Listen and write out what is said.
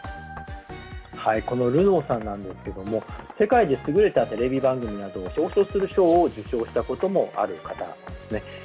このルノーさんなんですが世界の優れたテレビ番組などを表彰する賞を受賞したこともある方です。